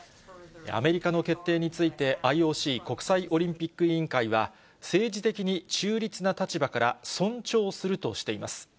アメリカの決定について、ＩＯＣ・国際オリンピック委員会は、政治的に中立な立場から尊重するとしています。